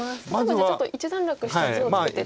じゃあちょっと一段落した図を作って頂くと？